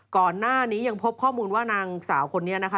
ก่อนหน้านี้ยังพบข้อมูลว่านางสาวคนนี้นะคะ